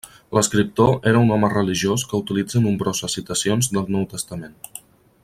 L'escriptor era un home religiós que utilitza nombroses citacions del Nou Testament.